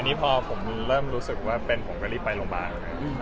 อันนี้พอเรรี่ยมรู้สึกกว่าเป็นออกแล้วก็เร็วไปโรงพาร์ก